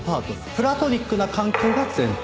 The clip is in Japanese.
プラトニックな関係が前提。